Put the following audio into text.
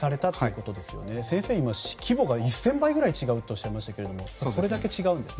先生、規模が１０００倍ぐらい違うとおっしゃったんですがそれだけ違いますか。